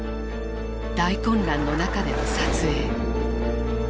大混乱の中での撮影。